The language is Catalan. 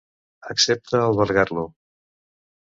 Accepta albergar-lo.